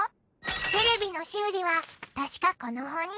テレビの修理はたしかこの本に。